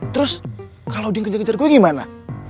terus kalau dia ngejar ngejar gue gimana